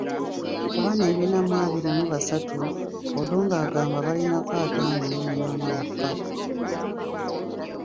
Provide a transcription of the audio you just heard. Ku bano ebina mu abiri mu basatu, Odongo agamba balinako ataano mu munaana bokka.